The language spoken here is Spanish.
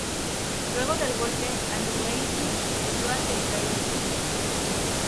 Luego del golpe, al-Numeiruy huyó hacia El Cairo, Egipto.